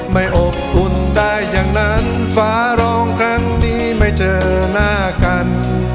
ไม่อบอุ่นได้อย่างนั้นฟ้าร้องครั้งนี้ไม่เจอหน้ากัน